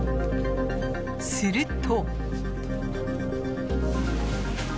すると。